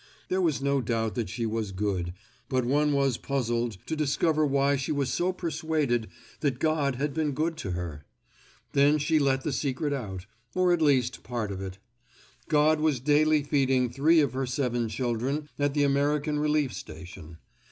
There was no doubt that she was good, but one was puzzled to discover why she was so persuaded that God had been good to her. Then she let the secret out—or at least part of it. God was daily feeding three of her seven children at the American Relief Station.